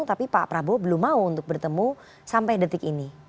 tapi pak prabowo belum mau untuk bertemu sampai detik ini